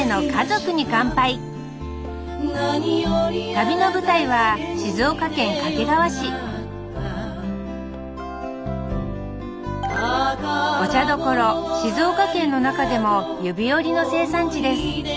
旅の舞台はお茶どころ静岡県の中でも指折りの生産地です